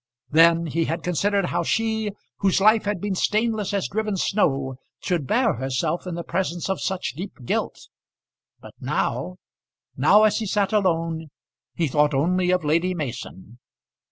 Then he had considered how she, whose life had been stainless as driven snow, should bear herself in the presence of such deep guilt. But now, now as he sat alone, he thought only of Lady Mason.